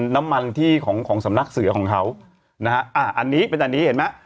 น้ำมันที่ของของสำนักเสือของเขานะฮะอ่าอันนี้เป็นอันนี้เห็นไหม